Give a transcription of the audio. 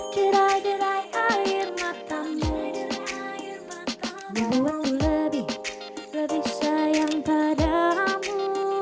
derai derai air matamu membuatku lebih lebih sayang padamu